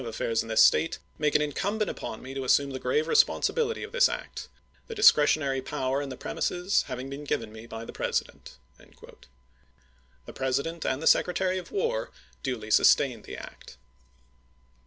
affairs in this State make it incumbent upon me to Peckham. assumc the gi'ave responsibility of this act, the discre Nathaiiiei tionary power in the premises having been given me by ^^223. ^' the President. The President and the Secretary of War duly sustained the act.